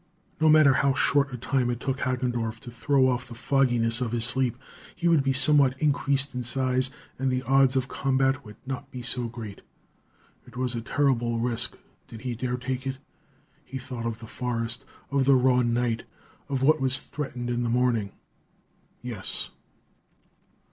No matter how short a time it took Hagendorff to throw off the fogginess of his sleep, he would be somewhat increased in size, and the odds of combat would not be so great. It was a terrible risk. Did he dare take it? He thought of the forest, of the raw night, of what was threatened in the morning.... Yes!